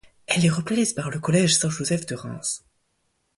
Elle est reprise par le collège Saint-Joseph de Reims.